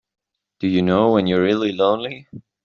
Do you know when you're really lonely?